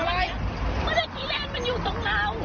แล้วเมื่อกี้แลนด์มันอยู่ตรงเรา